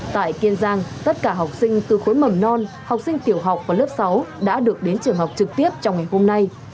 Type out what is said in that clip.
tại kiên giang tất cả học sinh từ khối mầm non học sinh tiểu học và lớp sáu đã được đến trường học trực tiếp trong ngày hôm nay